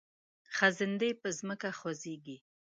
خزندې په ځمکه خوځیږي